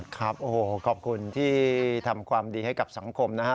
ขอบคุณที่ทำความดีให้กับสังคมนะฮะ